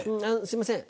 すいません。